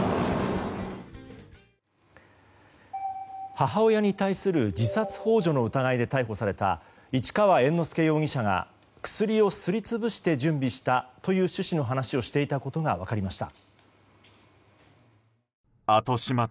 母親に対する自殺幇助の疑いで逮捕された市川猿之助容疑者が薬をすり潰して準備したという趣旨の話をしていたことが分かりました。